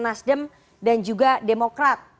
nasdem dan juga demokrat